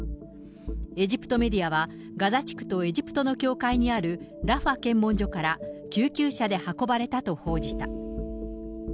エジプトメディアは、ガザ地区とエジプトの境界にあるラファ検問所から救急車で運ばれたと報じた。